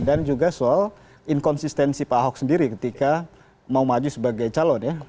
dan juga soal inkonsistensi pak ahok sendiri ketika mau maju sebagai calon ya